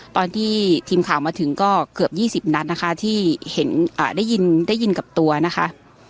ตอนที่ทีมข่าวมาถึงก็เกือบ๒๐นัดนะคะที่เห็นได้ยินกับตัวนะคะ